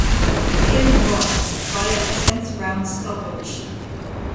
Kim won via a tenth round stoppage.